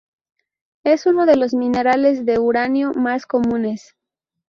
Es uno de los minerales de uranio más comunes.